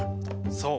そう。